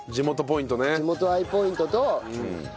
地元ポイントね。